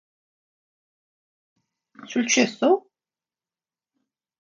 술 취했어?